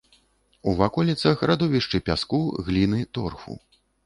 У ваколіцах радовішчы пяску, гліны, торфу.